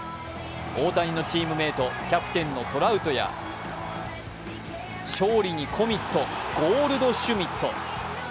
大谷のチームメート、キャプテンのトラウトや勝利にコミット、ゴールドシュミット。